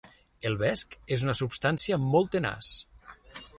El vesc és una substància molt tenaç.